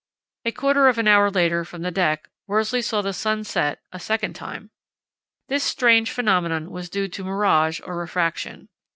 A quarter of an hour later from the deck Worsley saw the sun set a second time. This strange phenomenon was due to mirage or refraction.